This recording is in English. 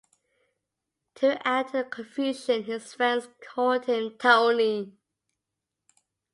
To add to the confusion, his friends called him Tony.